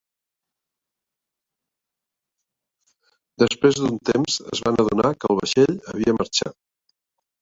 Després d'un temps es van adonar que el vaixell havia marxat.